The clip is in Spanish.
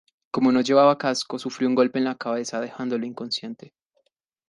Como no llevaba casco sufrió un grave golpe en su cabeza dejándolo inconsciente.